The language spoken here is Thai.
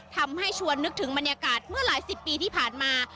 ชวนนึกถึงบรรยากาศเมื่อหลายสิบปีที่ผ่านมา